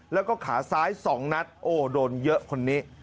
แล้วก็ขาซ้าย๒นัดโอ้โดนเยอะคนนี้